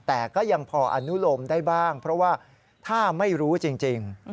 แต่ก็ยังพออนุโลมได้บ้างเพราะว่าถ้าไม่รู้จริง